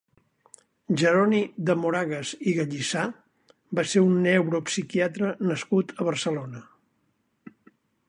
Jeroni de Moragas i Gallissà va ser un neuropsiquiatre nascut a Barcelona.